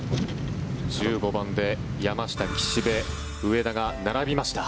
１５番で山下、岸部、上田が並びました。